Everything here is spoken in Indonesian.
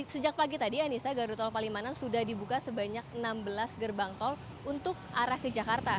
sejak pagi tadi anissa gardu tol palimanan sudah dibuka sebanyak enam belas gerbang tol untuk arah ke jakarta